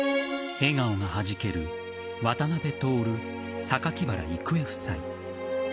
笑顔がはじける渡辺徹榊原郁恵夫妻。